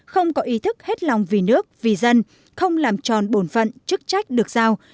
không có ý thức hết lòng vì nước vì dân không làm tròn bổn phận chức trách được giao